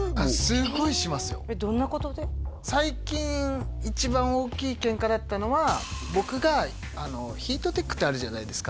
すっごいしますよ最近一番大きいケンカだったのは僕がヒートテックってあるじゃないですか？